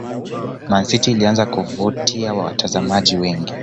Man city ilianza kuvutia watazamaji wengi